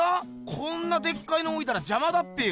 こんなでっかいのおいたらじゃまだっぺよ。